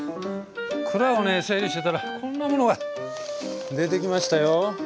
蔵をね整理してたらこんなものが出てきましたよ。